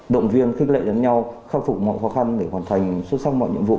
động viên khích lệ đánh nhau khắc phục mọi khó khăn để hoàn thành xuất sắc mọi nhiệm vụ